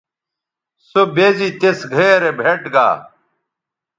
سو بے زی تِس گھئے رے بھئیٹ گا